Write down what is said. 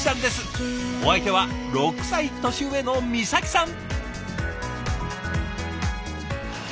お相手は６歳年上の美咲さん。